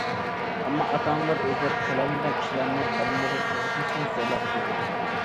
ئەمما ئاتا- ئانىلار ئۆزلىرى قىلالمىغان ئىشلارنى بالىلىرى قىزىقمىسىمۇ زورلاپ قىلغۇزىدۇ.